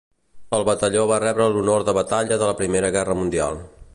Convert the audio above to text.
El batalló va rebre l'honor de batalla de la Primera Guerra Mundial.